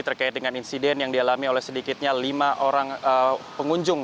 terkait dengan insiden yang dialami oleh sedikitnya lima orang pengunjung